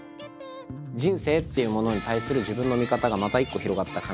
人生っていうものに対する自分の見方がまた一個広がった感じがするので。